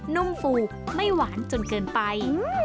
นุ่มฟูไม่หวานจนเกินไป